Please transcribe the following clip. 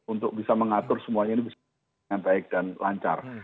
untuk bisa mengatur semuanya ini bisa dengan baik dan lancar